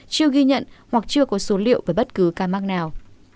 chưa ghi nhận hoặc chưa có số liệu về bất cứ ca mắc nào